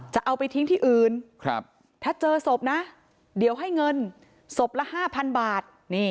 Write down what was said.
จะเอาไปทิ้งที่อื่นถ้าเจอศพนะเดี๋ยวให้เงินศพละ๕๐๐๐บาท